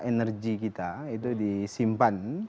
energi kita itu disimpulkan